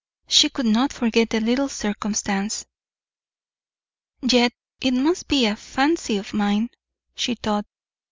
She could not forget the little circumstance. "Yet it must be a fancy of mine," she thought.